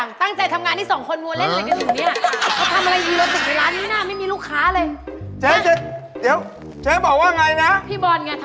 น้ำแข็งอะไรร้อนจังงี้เนี่ย